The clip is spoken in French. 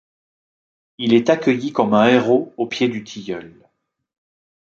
Il est accueilli comme un héros au pied du tilleul.